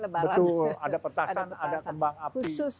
betul ada petasan ada kembang api